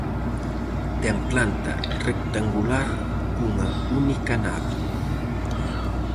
Ten planta rectangular cunha única nave.